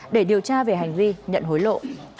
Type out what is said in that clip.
để điều tra về hành vi nhận hối lộ